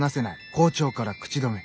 校長から口止め」。